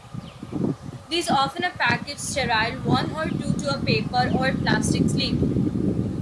These often are packaged sterile, one or two to a paper or plastic sleeve.